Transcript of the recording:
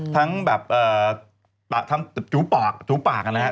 ทั้งทำถูปากฟิลิต